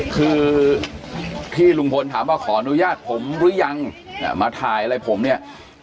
คือที่ลุงพลถามว่าขออนุญาตผมหรือยังมาถ่ายอะไรผมเนี่ย